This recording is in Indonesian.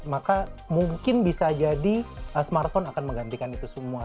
maka mungkin bisa jadi smartphone akan menggantikan itu semua